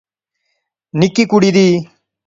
نکی کڑی دی